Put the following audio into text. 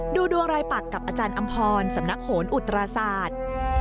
ดูดวงรายปักกับอาจารย์อำพรสำนักโหนอุตราศาสตร์